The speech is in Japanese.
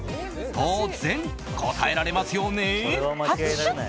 当然、答えられますよね？